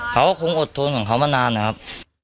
เขาก็คงอดทนของเขามานานนะครับ